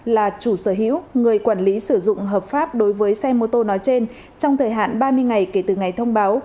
là chủ sở hữu người quản lý sử dụng hợp pháp đối với xe mô tô nói trên trong thời hạn ba mươi ngày kể từ ngày thông báo